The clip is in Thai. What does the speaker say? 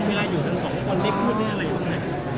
พรุ่งเวลาอยู่ทั้งสองคนได้พูดได้อะไรอยู่ทั้งไหน